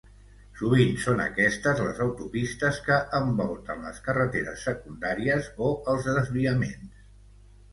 Sovint són aquestes les autopistes que envolten les carreteres secundàries o els desviaments.